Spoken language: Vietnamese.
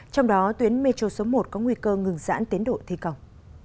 trong đó tuyến metro số một có nguy cơ ngừng giãn tiến độ thi công